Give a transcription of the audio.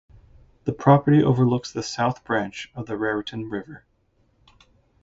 The property overlooks the South Branch of the Raritan River.